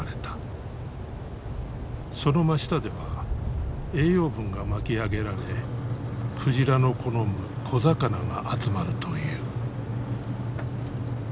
その真下では栄養分が巻き上げられ鯨の好む小魚が集まるという。